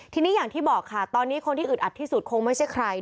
ทีนี้อย่างที่บอกค่ะตอนนี้คนที่อึดอัดที่สุดคงไม่ใช่ใคร